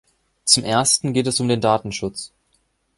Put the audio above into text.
Zum Ersten geht es um den Datenschutz.